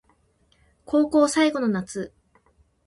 高校最後の夏